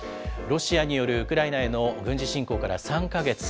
ロシアによるウクライナへの軍事侵攻から３か月。